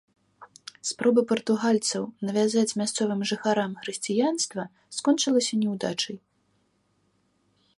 Спробы партугальцаў навязаць мясцовым жыхарам хрысціянства скончыліся няўдачай.